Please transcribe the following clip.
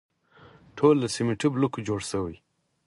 ټول له سیمټي بلوکو جوړ شوي.